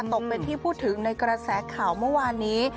ตกเป็นที่พูดถึงในกระแสข่าวเมื่อวานนี้